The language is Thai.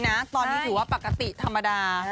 ตอนนี้ถือว่าปกติธรรมดา